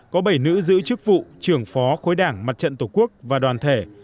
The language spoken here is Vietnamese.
có bảy nữ giữ chức vụ trưởng phó khối đảng mặt trận tổ quốc và đoàn thể